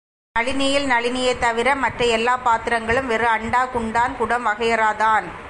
நளினி யில் நளினியைத் தவிர, மற்ற எல்லாப் பாத்திரங்களும் வெறும் அண்டா, குண்டான், குடம் வகையறாத்தான்!